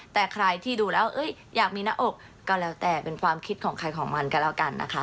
แต่ใครที่ดูแล้วอยากมีหน้าอกก็แล้วแต่เป็นความคิดของใครของมันก็แล้วกันนะคะ